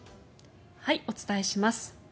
お伝えします。